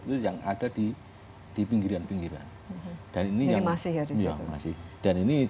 iya masih dan ini